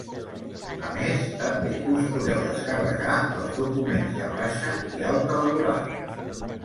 A més, també us podeu descarregar els documents de baixa i alta laboral.